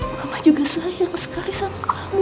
mama juga sayang sekali sama kamu